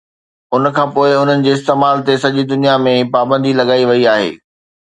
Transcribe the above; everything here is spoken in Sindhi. ان کان پوء، انهن جي استعمال تي سڄي دنيا ۾ پابندي لڳائي وئي آهي